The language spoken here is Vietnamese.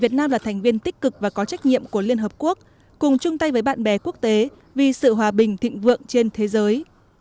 việt nam là thành viên tích cực và có trách nhiệm của liên hợp quốc cùng chung tay với bạn bè quốc tế vì sự hòa bình thịnh vượng trên thế giới